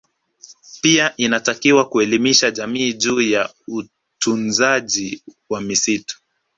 Pia inatakiwa kuelimisha jamii juu ya utunzaji wa misitu